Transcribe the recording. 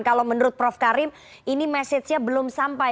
kalau menurut prof karim ini mesenya belum sampai